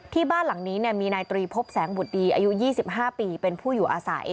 ที่บ้านหลังนี้เนี่ยมีนายตรีพบแสงบุตรดีอายุยี่สิบห้าปีเป็นผู้อยู่อาศัย